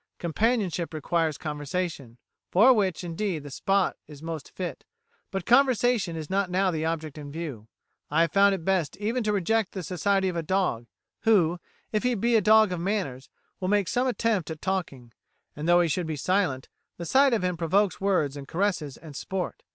Companionship requires conversation, for which, indeed, the spot is most fit; but conversation is not now the object in view. I have found it best even to reject the society of a dog, who, if he be a dog of manners, will make some attempt at talking; and, though he should be silent, the sight of him provokes words and caresses and sport.